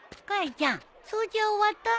ちゃん掃除は終わったの？